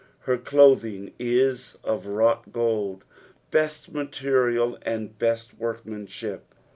"Her dothiim it of lerovg/U gold." Best material aad best workmanship.